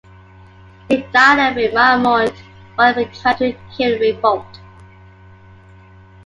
He died at Remiremont while trying to kill a revolt.